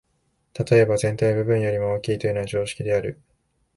例えば、「全体は部分よりも大きい」というのは常識である。